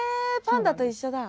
パンダと一緒だ。